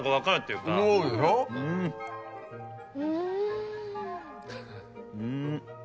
うん。